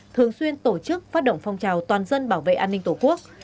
thường xuyên tổ chức phát động phong trào toàn dân bảo vệ an ninh tổ quốc